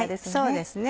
そうですね。